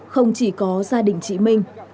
không chỉ có gia đình chị minh